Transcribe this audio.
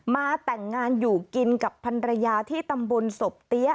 แต่งงานอยู่กินกับพันรยาที่ตำบลศพเตี้ย